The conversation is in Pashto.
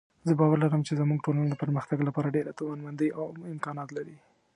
زه باور لرم چې زموږ ټولنه د پرمختګ لپاره ډېره توانمندۍ او امکانات لري